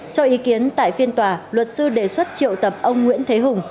cho ý kiến tại phiên tòa luật sư đề xuất triệu tập ông nguyễn thế hùng